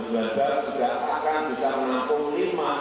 segera akan bisa menanggung lima tujuh juta penumpang